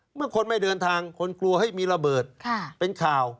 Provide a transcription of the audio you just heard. เมื่อคนไม่เดินทางคนกลัวให้มีระเบิดเป็นข่าว